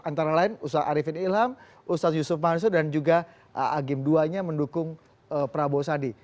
antara lain ustaz arifin ilham ustaz yusuf mansyur dan juga agim duanya mendukung prabowo sadi